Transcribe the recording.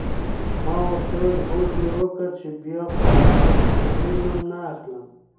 ما ورته وویل: هوډ مي وکړ چي بیا به د جګړې نوم نه اخلم.